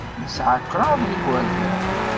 Yesɛa kraḍ n yigerdan.